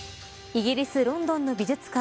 イギリス、ロンドンの美術館